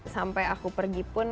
sampai aku pergi pun